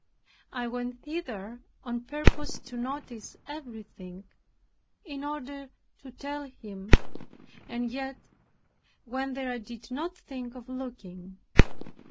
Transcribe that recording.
I went thither on purpose to notice everything, in order to tell him and yet when there did not think of looking.